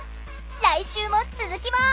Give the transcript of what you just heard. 来週も続きます！